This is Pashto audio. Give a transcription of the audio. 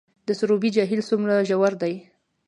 د سروبي جهیل څومره ژور دی؟